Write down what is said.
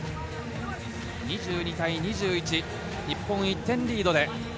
２２対２１、日本１点リード。